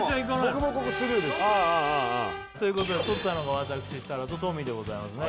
僕もここスルーですということで取ったのが私設楽とトミーでございますね